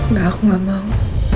nggak aku nggak mau